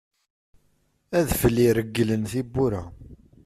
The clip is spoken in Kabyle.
Adfel iregglen tiwwura.